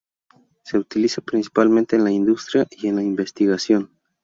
Se utiliza principalmente en la industria y en la investigación.